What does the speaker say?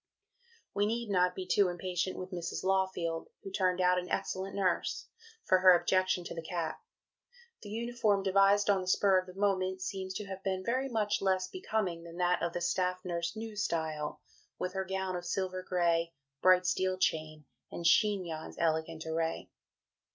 " We need not be too impatient with Mrs. Lawfield (who turned out an excellent nurse) for her objection to the cap. The uniform, devised on the spur of the moment, seems to have been very much less becoming than that of the "Staff Nurse, New Style," with her "gown of silver gray, bright steel chain, and chignon's elegant array."